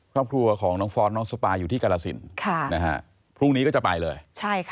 ครอบครัวของน้องฟอร์สน้องสปายอยู่ที่กาลสินพรุ่งนี้ก็จะไปเลย